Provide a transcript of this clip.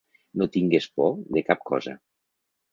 No tingues por de cap cosa.